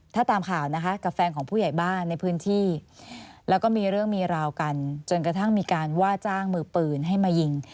ถ้าตามข่าวนะคะกับแฟนของผู้ใหญ่บ้านในพื้นที่แล้วก็มีเรื่องมีราวกันจนกระทั่งมีการว่าจ้างมือปืนให้มายิง